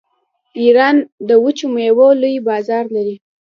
ایران د وچو میوو لوی بازار لري.